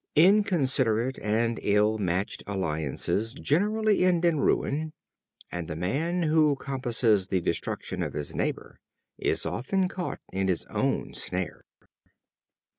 Inconsiderate and ill matched alliances generally end in ruin; and the man who compasses the destruction of his neighbor, is often caught in his own snare.